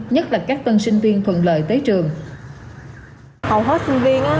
nhất là các tân sinh viên thuận lợi tới trường